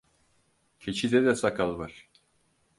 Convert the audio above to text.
Keçide de sakal var.